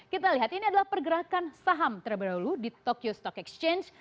kita lihat ini adalah pergerakan saham terlebih dahulu di tokyo stock exchange